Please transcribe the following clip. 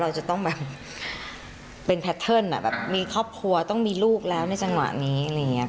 เราจะต้องแบบเป็นแพทเทิร์นแบบมีครอบครัวต้องมีลูกแล้วในจังหวะนี้อะไรอย่างนี้